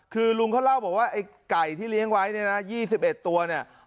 คือลุงเขาเล่าบอกว่าไอ้ไก่ที่เลี้ยงไว้เนี่ยนะ๒๑ตัวเนี่ย